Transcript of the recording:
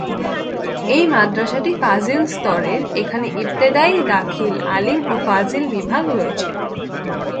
এই মাদ্রাসাটি ফাযিল স্তরের, এখানে ইবতেদায়ী, দাখিল, আলিম ও ফাযিল বিভাগ রয়েছে।